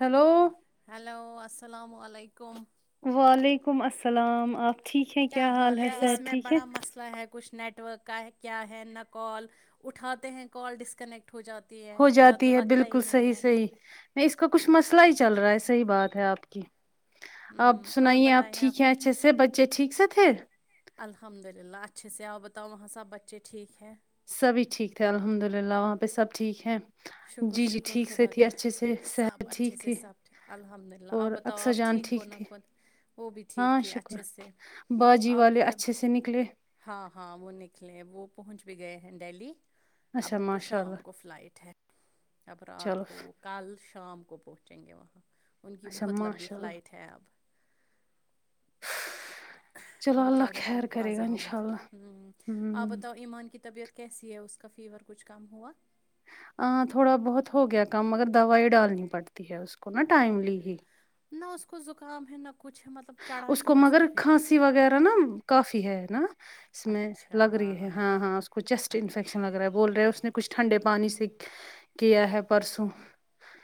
Hello hello السلام علیکم وعلیکم السلام آپ ٹھیک ہیں کیا حال ہے اس صحت میں ٹھیک ہے بڑا مسئلہ ہے کچھ نیٹ ورک کا ہے کیا ہے نہ کال اٹھاتے ہیں کال ڈسکنیکٹ ہو جاتی ہے ہو یا تو جاتی ہے لگتا ہی بالکل نہیں صحیح ہے صحیح نہیں اس کا کچھ مسئلہ ہی چل رہا ہے صحیح بات ہے آپ کی آپ ہوں اور سنائیے آپ بتائیں ٹھیک ہیں اچھے سے بچے ٹھیک سے تھے الحمد للہ اچھے سےآو بتاؤ وہاں سب بچے ٹھیک ہے سبھی ٹھیک ہے الحمد للہ وہاں پہ سب ٹھیک ہیں شکر شکر خدا کا سب صحت اچھے ٹھیک سے تھی سب ٹھیک الحمد للہ آپ اور بتاؤ بتاؤ اکثر آپ جان ٹھیک ہونا تھی خود وہ بھی ہاں ٹھیک تھی اچھے شکر سے باجی آپ کی والے طب اچھے سے نکلے ہاں ہاں وہ نکلے وہ پہنچ بھی گئے ہیں دہلی اچھا اب ان کو ماشاء شام اللہ کو فلائٹ ہے اب رات چلو کو وہ کل شام کو پہنچیں گے وہاں ان کی اچھا بہت لمبی ماشاء اللہ فلائٹ ہے اب چلو اللہ بیچاروں کو خیر انکو کرے گا انشاء اللہ عذابت آپ ہوں بتاؤ ایمان کی طبیعت کیسی ہے اس کا فیور کچھ کم ہوا آ تھوڑا بہت ہو گیا کم اگر دوائی ڈالنی پڑتی ہے اس کو نا ٹائملی ہی نہ اس کو زکام ہے نہ کچھ ہے مطلب چڑھا کیوں اس کو پھر تی وغیرہ نہ کافی ہے نا اس میں اچھا لگ رہی ہے ہاں ہاں اس کو چیسٹ اچھا انفیکشن لگ رہا ہے بول رہے اس نے کچھ ٹھنڈے پانی سے کیا ہے پرسوں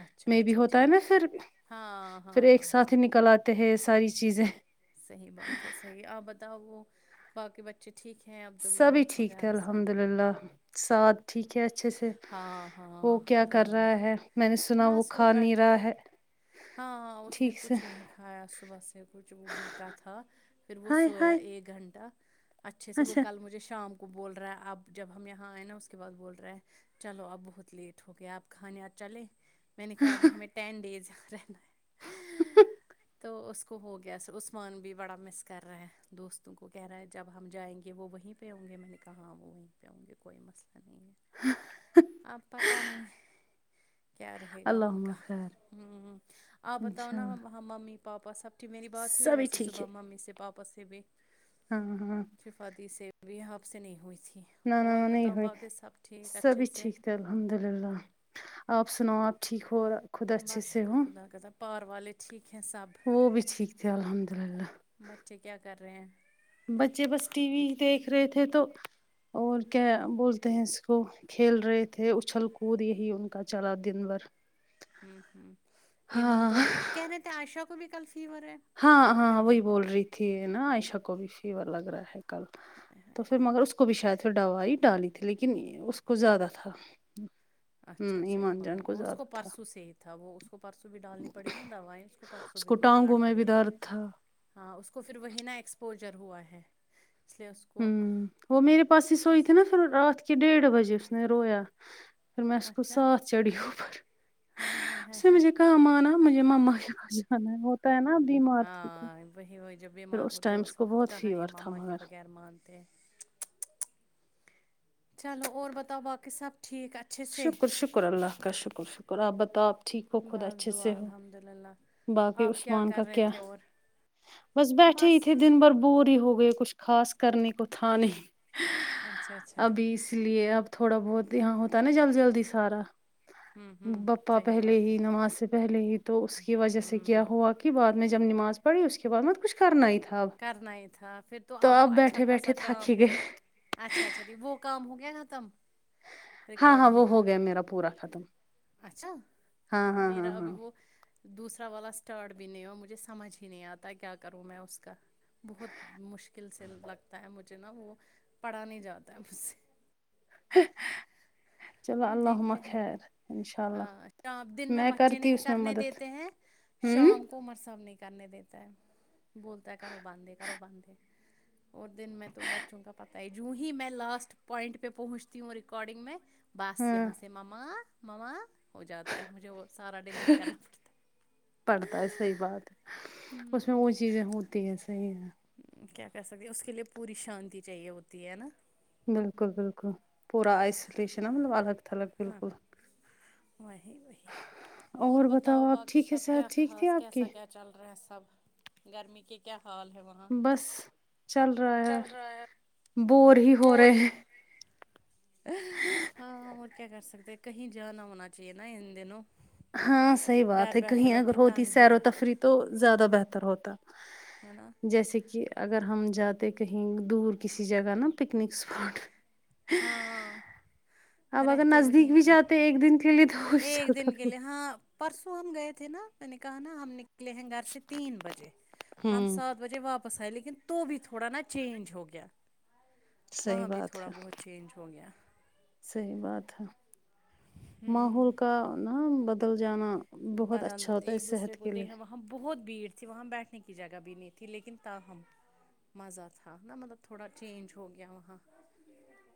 اچھا میں بھی اچھا ہوتا ہے ٹھیک نآ پھر ہاں پھر ہاں ایک ہاں ہاں ساتھ ہی نکل آ تے ہے ساری چیزیں صحیح بات ہے صحیح آپ بتاؤ وہ باقی بچے ٹھیک ہیں عبداللہ وغیرہ سب الحمدللہ سب ٹھیک ہے اچھے سے ہاں وہ ہاں کیا کر الحمد رہا للہ ہے میں نے سنا بس وہ کھا نہیں بیٹھا ہے رہا ہاں اس نے ٹھیک سے کچھ نہیں کھایا صبح سے کچھ وہ بھوکا تھا پھر وہ ہائے سویا ہائے ایک گھنٹہ اچھے سے وہ اچھا کل مجھے شام کو بول رہا ہے اب جب ہم یہاں آئے نا اس کے بعد بول رہا ہے چلو اب بہت لیٹ ہو گیا آپ کھانے آ چلے میں نے کہا ابھی ہمیں ٹین ڈیز رہنا ہے تو اس کو ہو گیا عثمان بھی بڑا مس کر رہا ہے دوستوں کو کہہ رہا ہے جب ہم جائیں گے وہ وہیں پہ ہوں گے میں نے کہا وہ وہیں پہ ہوں گے کوئی مسئلہ نہیں ہے اب پتہ نہیں کیا رہے گا ان اللہم کا خیر ہمم آپ بتاؤ انشاء نا اللہ وہاں ممی پاپا سب میری بات ہوئی سبھی ویسے صبح ممی سے پاپا سے بھی ہمم ہمم شفا دی سے بھی آپ سے نہیں ہوئی تھی نہ اور نہ نہیں بتاؤ ہوئی باقی سب ٹھیک اچھے سبھی سے ٹھیک الحمد للہ آپ سناؤ آپ ٹھیک ہو اور خود اچھے سے ہو گھر والے ٹھیک ہیں سب وہ بھی ٹھیک تھے الحمد للہ بچے کیا کر رہے ہیں بچے بس ٹی وی دیکھ رہے تھے تو اور کیا بولتے ہیں اس کو کھیل رہے تھے اچھل کود یہی ان کا چلا دن بھر ہوں ہوں ایمان ہاں تو اب کہہ رہے تھے عائشہ کو بھی کل فیور ہے ہاں اس کو ہاں کیا وہی بات بول رہی تھی نا عائشہ کو بھی فیور لگ رہا ہے کل تو پھر مگر اس کو بھی شاید ڈوائی ڈالی تھی لیکن اس کو زیادہ تھا اچھا ہوں اچھا جان ایمان کو اس کو زیادہ تھا پرسوں سے ہی تھا وہ اس کو پرسوں بھی ڈالنی پڑی نا دوائیں اس کو پرسوں بھی کچھ گڑ ٹانگوں میں بھی پڑی درد تھا ہاں اس کو پھر وہی نہا ایکسپوجر ہوا ہے اس لیے اس کو ہوں وہ میرے پاس ہی سوئی اس تھی نا پھر رات کے ڈیڑھ بجے اس نے رویا پھر میں اس کو ساتھ چڑی اوپر ہاے ہاے ہاے ہاے کام آنا مجھے مما کہ پاس جانا ہے پتہ ہے نہ بیما ہاں وہی وہی جب بیمار ہوتے ہیں اس کو وقت بہت کہاں ہے فیور تھا ماما کے مگر بغیر مانتے ہے چلو اور بتاؤ باقی سب ٹھیک اچھا شکر شکر اللہ کا شکر شکر آپ بتاؤ آپ ٹھیک ہو خود بس اچھے سے دعا ہو الحمد للہ باقی آپ عثمان کر کا رہے کیا تھے اور بس بیٹھے ہی تھے دن بھر بور ہی ہو گئے کچھ خاص کرنے کو تھا نہیں اچھا اچھا ابھی اس لیے اب تھوڑا بہت یہاں ہو پتا نہی جلدی جلدی سارا ہوں ہوں بپا صحیح پہلے بات ہے ہی نماز سے پہلے ہی تو اس کی وجہ سے ہوں کیا ہوا کہ کے بعد میں جب نماز پڑی اس کی اسکا بعد کچھ کرنا ہی تھا اب کرنا ہی تھا پھر تو آپ کو اب اچھا بیٹھے خاصا بیٹھے تھک کام ہی ہے گئے اچھا اچھا جی وہ کام ہو گیا ختم ہاں ہاں ریکارڈنگ وہ کا ہو گیا میرا پورا ختم اچھا ہاں ہاں ہاں میرا ابھی ہاں وہ دوسرا والا اسٹارٹ بھی نہیں ہوا مجھے سمجھ ہی نہیں آتا کیا کروں میں اس کا بہت مشکل سے لگتا ہے مجھے نا وہ پڑھا نہیں جاتا ہے مجھ سے چلو اللہ ہمہ دیکھتے ہیں خیر انشاء اللہ ہاں کام دن میں بچے کرتی نہیں اس میں کرنے مدد دیتے ہیں ہوں شام کو عمر صاحب نہیں کرنے دیتے تا ہے بولتا ہے کرو بند کرو بند اور دن میں تو بچوں کا پتا جوں ہی میں لاسٹ پوائنٹ پہ پہنچتی ہوں ریکارڈنگ میں بس ہاں یہاں سے مما مما ہو جاتا ہے مجھے وہ سارا ڈیلیٹ کرنا پڑتا ہے پڑتا ہے صحیح بات ہے اس میں وہ چیزیں ہوتی ہے صحیح ہے کیا کر سکتے اس کے لیے پوری شانتی چاہیے ہوتی ہے نا بالکل بالکل پورا آئسولیشن ہے مطلب الگ تھلگ ہاں بالکل وہی وہی اور بتاؤ آپ باقی ٹھیک ہے سب کیا صحت ٹھیک تھی خاص آپ کی کیسا کیا چل رہا ہے سب گرمی کی کیا حال ہے وہاں بس چل رہا ہے چل رہا بور ہی ہو رہے ہاں اور کیا کر سکتے کہیں جانا ہونا چاہیے نا ان دنوں ہاں صحیح بات گھر ہے بیٹھے کہیں اگر بیٹھے ہوتی تنگ ہو سیر و جا تفریح تو زیادہ بہتر ہوتا ہے نا جیسے کہ اگر ہم جاتے کہیں دور کسی جگہ نا پکنک اسپاٹ ہاں اب اگر رہتے نزدیک وہیں بھی ہی جاتے ایک دن کے لیے تو وہ بھی ایک چلتا دن کے پھر۔ لیے ہاں پرسوں ہم گئے تھے نا میں نے کہا نا ہم نکلے ہیں گھر سے تین بجے ہم ہوں سات بجے واپس آئے لیکن تو بھی تھوڑا نا چینج ہو گیا صحیح وہاں بھی تھوڑا بات ہے بہت چینج ہو گیا صحیح بات ہے ماحول کا نہ بدل جانا بہت بر حال اچھا ہوتا ہے ایک دوسرے صحت کو کے لیے دیکھنا بہت بھیڑ تھی وہاں بیٹھنے کی جگہ بھی نہیں تھی لیکن تاہم مزہ تھا نا مطلب تھوڑا چینج ہو گیا وہاں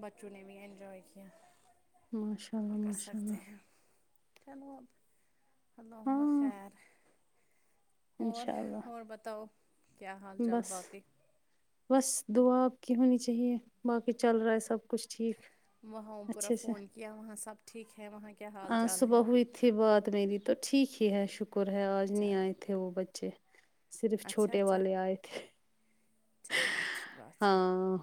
بچوں نے بھی انینجوئے کیا ماشاء کیا اللہ کر ماشاء سکتے اللہ ہیں چلو اللہ ہمہ ہاں خیر اور انشاء اللہ اور بتاؤ کیا حال چال بس باقی بس دعا آ پکی ہونی چاہیے باقی چل رہا ہے سب کچھ ٹھیک وہاں پورا اچھے فون کیا وہاں سب ٹھیک ہے وہاں کیا حال آج چال صبح ہے ہوئی تھی بات میری تو ٹھیک ہی ہے شکر ہے آج نہیں چلو آئے تھے وہ بچے صرف اچھا چھوٹے اچھا والے آئے تھے چلو اچھی بات ہے ہاں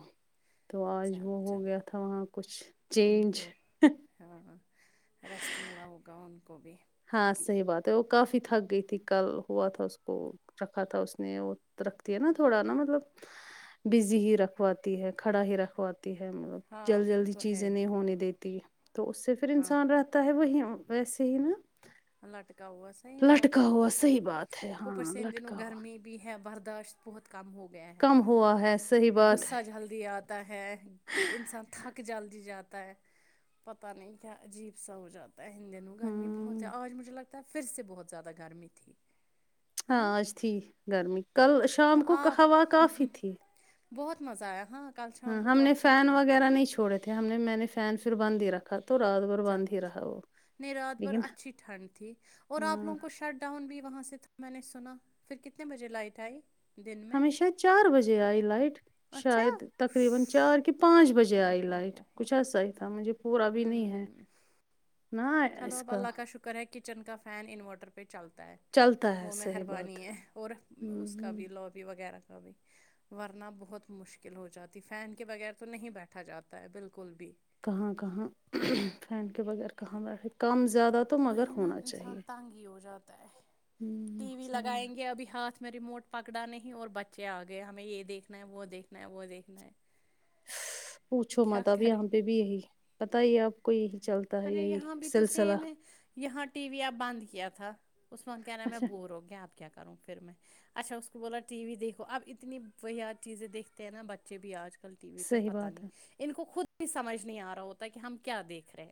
تو آج وہ چلو ہو چلو گیا تھا وہاں کچھ ان چینج کو ہاں اور ریسٹ ملا ہوگا ان کو بھی ہاں صحیح بات ہے وہ کافی تھک گئی تھی کل ہوا تھا اس کو رکھا تھا اس نے وہ رکھتی ہے نا تھوڑا نا مطلب بزی ہی رکھواتی ہے کھڑا ہی رکھواتی تی ہیں ہاں جلدی وہ جلدی تو ہے چیزیں ہی نہیں ہونے دیتی تو اس سے پھر ہاں انسان رہ تا ہے وہ ویس ہی نا اللہ کے ویسے صحیح لٹکا بات ہے ہوا صحیح بات ہے ہاں اوپرسے ان دنوں لٹکا ہوا گرمی بھی ہے برداشت بہت کم ہو گیا ہے کم ہوا ہے صحیح بات ہے غصہ جلدی آتا ہے انسان تھک جلدی جاتا ہے پتا نہیں کیا عجیب سا ہو جا پہلے دونوں گرمی بہت ہے ہوں آج مجھے لگتا ہے پھر سے بہت زیادہ گرمی تھی ہے ہاں نا آج تھی گرمی کل شام ہاں کو ہوا آپ کافی تھی بہت مزہ آیا ہاں کل ہ شام کو ہم تو نے اچھا فین تھا وغیرہ نہیں چھوڑے تھے ہم نے میں نے فین پھر بند ہی رکھا تو رات بر چلو نہیں رات بھر اچھی ٹھنڈ تھی اور آپ ہاں لوگوں کو شڈ ٹاؤن بھی وہاں سے تھا میں نے سنا پھر کتنے بجے لائٹ آئی دن میں ہمیشہ چار بجے آئی لائٹ اچھا شاید تقریبا چار کے پانچ بجے او ہو آئی ہو لائٹ ہو ہوں کچھ اسے تھا مجھے اور ابھی نہیں ہے ہوں نا اس کا کر ہے کچن کا فین انورٹر پہ چلتا ہے چلتا ہے وہ صحیح بات مہربانی ہے اور اس کا ہوں بھی لوابی وغیرہ کا بھی ورنا بہت مشکل ہو جاتی فین کے بغیر تو نہیں بیٹھا جاتا ہے بالکل بھی کہاں کہاں فین کے بغیر کہاں بیٹھے کم زیادہ تو مگر وہی نا ہونا چاہیے انسان تنگ ہی ہو جاتا ہے ہوں ٹی وی صحیح لگائیں گے ابھی ہاتھ میں ریموٹ پکڑا نہیں اور بچے آگئے ہمیں یہ دیکھنا ہے وہ دیکھنا ہے وہ دیکھنا ہے پوچھو کیا مت کرے یہاں پہ بھی یہی پتہ ہی ہے آپ کو یہی چلتا ہے ارے یہی یہاں بھی تو سلسلہ سیم ہے یہاں ٹی وی اب بند کیا تھا اس وقت کہہ رہا ہے میں اچھا بور ہو گیا اب کیا کروں پھر میں اچھا اس کو بولا ٹی وی دیکھو اب اتنی بیاار چیزیں دیکھتے ہیں نا بچے بھی آج کل ٹی وی پہ صحیح پتا بات نہیں ہے ان کو خود بھی سمجھ نہیں آ رہا ہوتا کہ ہم کیا دیکھ رہے ہیں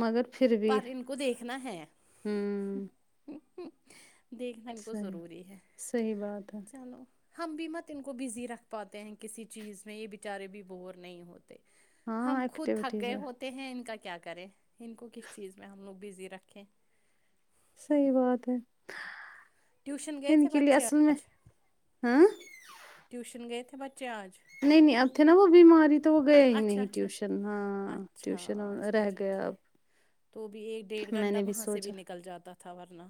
مگر پھر بھی پر ان کو دیکھنا ہے ہوں دیکھنا ان کو صحیح ضروری ہے صحیح بات ہے چلو ہم بھی مت ان کو بزی رکھ پاتے ہیں کسی چیز میں یہ بیچارے بھی بور نہیں ہوتے ہم ہاں خود تھک ایکٹیویٹیز گئے میں ہوتے ہیں ان کا کیا کریں ان کو کس چیز میں ہم لوگ بزی رکھیں صحیح بات ہے ٹیوشن گئے ان تھے کے لیے بچے اصل میں آج ہاں ٹیوشن گئے تھے بچے آج نہیں نہیں اب تھے نا وہ بیماری تو وہ گئے ہی اچھا نہیں اچھا ٹیوشن ہاں اچھا ٹیوشن انو اچھا رہ اچھا گیا اب ٹھیک تو بھی ایک ڈیڑھ میں گھنٹہ نے وہاں سے سوچا بھی نکل جاتا تھا ورنہ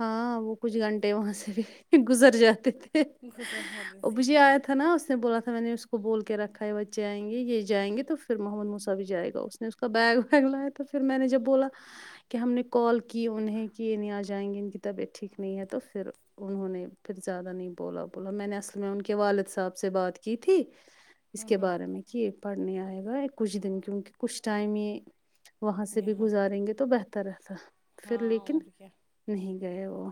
ہاں وہ کچھ گھنٹے وہاں سے بھی گزر جاتے تھے گزر جاتے وہ ابو تھے جی آیا تھا نا اس نے بولا تھا میں نے اس کو بول کے رکھا ہے بچے آئ گے یہ جیں گے تو پھر محمد موسا بھی جائے گا اس نے کا بیگ ویگ لایا تو پھر میں نے جب بولا کہ ہم نے کال کی انہیں کی ہے انہے آج جائیں گے ان کتاب یہ ٹھیک نہیں ہے تو پھر انہوں نے پھر زیادہ نہیں بولا بولا میں نے اصلم کے والد صاحب سے بات کی تھی اس ہوں کے ہوں بارے میں کہ پڑھنے آئے گا کچھ دن کیونکہ کچھ ٹائم یہ وہاں سے بھی یہاں گزاریں گے تو بہتر رہتا پھر ہاں لیکن اور کیا نہیں گئے وہ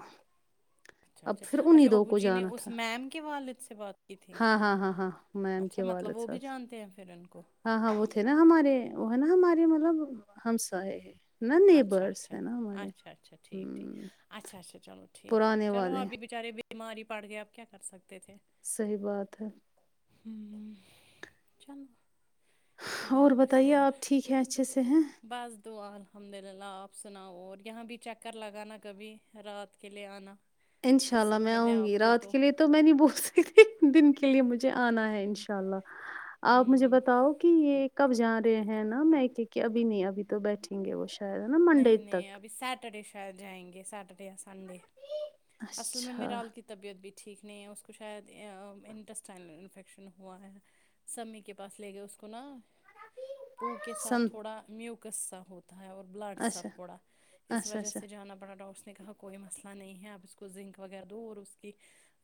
اچھا اب اچھا پھر انہیں اچھا دو ابو کو جی نے جانا اس تھا میم کے والد سے بات کی تھی ہاں ہاں ہاں ہاں میم اچھا کے مطلب والد وہ بھی صاحب سے۔ جانتے ہیں پھر ان کو ہاں ہاں وہ تھے نا ہمارے وہ ہے نا ہمارے مطلب ہمسائے نا اچھا نیبرس اچھا ہے نا ہمارے اچھا اچھا ٹھیک ٹھیک ہ اچھا اچھا چلو ٹھیک ہے پرانے چلو والے آب بھی بچارے بیمار ہی پڑ گئے آپ کیا کر سکتے تھے صحیح بات ہے ہوں چلو اللہ اور ہمہ بتائیے خیر آپ ٹھیک ہے اچھے سے ہیں بس دعا الحمد للہ آپ سناؤ اور یہاں بھی چکر لگانا کبھی رات کے لیے آنا انشاء اللہ فرصت میں ملے آؤں آپ گی کو رات کے لیے تو میں نے نہی بول سکتی دن کے لیے مجھے آنا ہے انشاء اللہ آپ مجھے ہوں بتاؤ کہ یہ کب جا رہے ہیں نا میںکہ کہ ابھی نہیں ابھی تو بیٹھیں گے وہ شا شاید نا منڈے تک سٹر ڈے شاید جائیں گے سٹرڈے یا سنڈے اصل میں اچھا میرال کی طبیعت بھی ٹھیک نہیں ہے اس کو شاید ا انٹسٹائن میں انفیکشن ہوا ہے سمیع کے پاس لے گئے اس کو نا پو کے ساتھ سن تھوڑا میوکس سا ہوتا ہے اور بلا سا اچھا تھوڑا اس اچھا وجہ اچھا سے جانا پڑا ڈاکٹر اس نے کہا کو کوئی مسئلہ نہیں ہے آپ اس کو زنک وغیرہ دو اور اس کی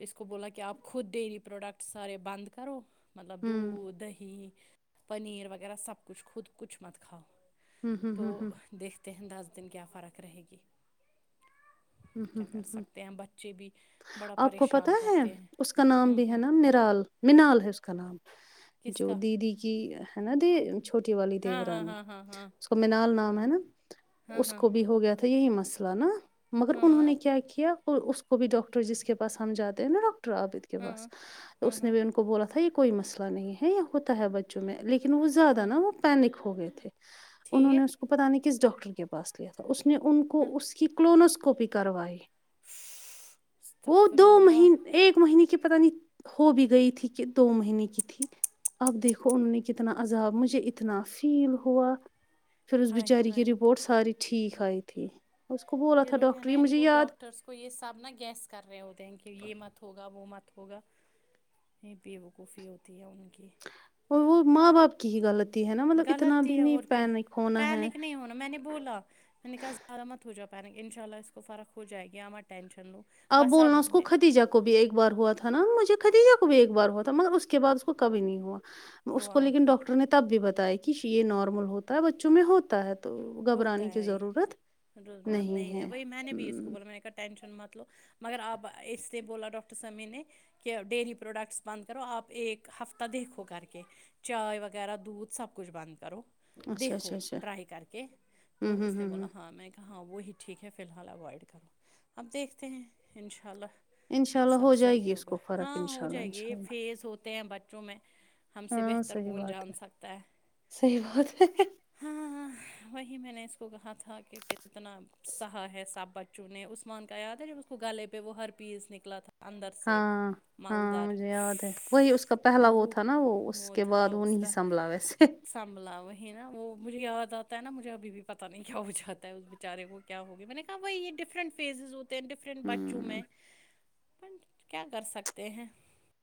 اس کو بولا کہ آپ خود ڈیری پروڈکٹ سارے بند کرو مطلب ہوں دودھ دہی پنیر وغیرہ سب کچھ خود کچھ مت کھاؤ ہوں ہوں تو ہوں ہوں دیکھتے ہیں دس دن کیا فرق رہے گی ہوں ہوں کیا ہوں کر ہوں سکتے ہیں بچے بھی بڑا آپ کو پتا پریشان ہے کرتے ہیں اس کا نام ہوں بھی ہے ہوں نا میرال منال ہے اس کا نام کس جو کا دیدی کی ہے نا دی چھوٹی والی ہاں دیو ہاں رانی ہاں ہاں ہاں اسکو مینال نام ہے نا ہاں اس ہاں کو بھی ہو گیا تھا یہی مسئلہ نا مگر ہاں انہوں نے کیا کیا کو اس کو بھی ڈاکٹر جس کے پاس ہم جاتے ہیں نا ڈاکٹر عابد کے ہاں پاس ہاں اس نے ہاں بھی ان کو بولا تھا کوئی مسئلہ نہیں ہے ہوتا ہے بچوں میں لیکن وہ زیادہ نا وہ پینک ہو گئے تھے انہوں نے ٹھیک اس کو پتا نہیں کس ڈاکٹر کے پاس لیا تھا اس نے ان کو اس کی کلونس کوپی کروائی وہ استغفر دو اللہ مہنے ایک مہینے کی پتا نہیں ہو بھی گئی تھی کہ دو مہینے کی تھی اب دیکھو انہوں نے کتنا عذاب مجھے اتنا فیل ہوا پھر اس ہائے بیچاری ہائے کی رپورٹ ساری ٹھیک آئی تھی اس کو بولا تھا لوگ ہیں ڈاکٹر نا یہ ان مجھے کو یاد ڈاکٹرس کو یہ سب نا گیس کر رہے ہوتے ہیں کہ یہ مت ہوگا وہ مت ہوگا یہ یےوقوفی ہوتی ہے ان کی اور وہ ماں باپ کی ہی غلطی ہے نا مطلب اتنا بھی نہیں پینک ہونا ہے یوں میں نے بولا میں نے کہا زیادہ مت ہو جاؤ پینک ان شاء اللہ اس کو فرق ہو جائے گی آپ مت ٹینشن لو اب بولنا اس کو خدیجہ بھی ایک بار ہوا تھا نا مجھے خدیجہ کو بھی ایک بار ہوا تھا مگر اس کے بعد اس کو کبھی نہیں ہوا اس کو ہوا لیکن ڈاکٹر نے تب بھی بتائی کہ یہ نارمل ہوتا ہے بچوں میں ہوتا ہے تو ہوتا گھبرانے کی ہے یہ ضرورت مطلب بند نہیں ہے وہی میں نے بھی اس کو بولا میں نے کہا ٹینشن مت لو مگر آپ اس نے بولا ڈاکٹر سمیع نے کہ ڈیری پروڈکٹس بند کرو آپ ایک ہفتہ دیکھو کر کے چائے وغیرہ دودھ سب کچھ بند کرو اچھا دیکھو اچھا اچھا ٹرائی کر کے تو ہمم ہمم اس نے ہمم بولا ہمم ہاں ہاں میں کہا ہاں وہی ٹھیک ہے فی الحال اوائڈ کرو اب دیکھتے ہیں ان شاء اللہ انشاء اللہ سب ہو جائے صحیح گی اس ہوگا کو فرق ہاں ہو انشاء اللہ جائے گی یہ انشاء اللہ فیس ہوتے ہیں بچوں میں ہم سے ہاں بہتر صحیح کون بات جان ہے سکتا ہے صحیح بات ہے ہاں ہاں وہی میں نے اس کو کہا تھا کہ کتنا سہا ہے سابت چنے عثمان کا یاد ہے جب اس کو گلے پہ وہ ہر پیس نکلا تھا اندر سے ہاں ہاں مالدار مجھے یاد ہے وہی اس کا پہلا وہ تھا نا وہ اس کے بعد وہ سنبلا وی سے سنبھ وہ ہے نا وہ مجھے یاد ا نا مجھےبھی بھی پتا نہیں کیا ہو جاتا ہے اس بیچارے کو کیا ہوگی میں نے کہا بائی یہ ڈفرٹ فیزز ہوتے ہیں ڈفر فرینٹ بچوں ہمم میں کیا کر سکتے ہیں